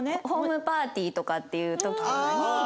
ホームパーティーとかっていう時とかに。